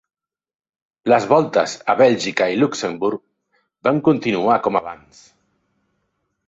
Les Voltes a Bèlgica i Luxemburg van continuar com abans.